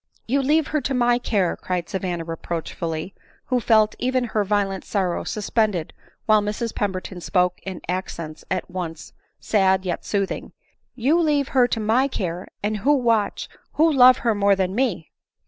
9 '" You leave her to my care," cried Savanna reproach fully—who felt even her violent sorrow suspended while Mrs Pemberton spoke in accents at once sad yet sooth ing —" you leave her to my care, and who watch, who love her more than me